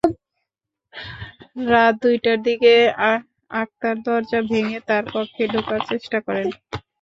রাত দুইটার দিকে আক্তার দরজা ভেঙে তাঁর কক্ষে ঢোকার চেষ্টা করেন।